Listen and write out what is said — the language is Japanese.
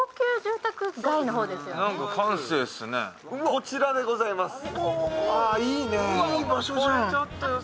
こちらでございます。